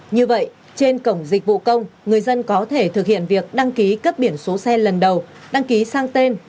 như vậy trên cổng dịch vụ công người dân có thể thực hiện việc đăng ký cấp biển số xe lần đầu đăng ký sang tên